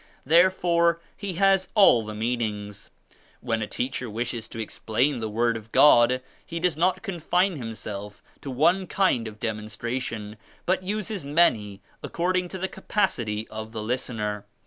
Therefore he has all the meanings. When a teacher wishes to explain the Word of God he does not confine himself to one kind of demonstration but uses many according to the capacity of the listener.